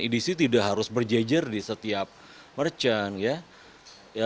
edc tidak harus berjejer di setiap merchant ya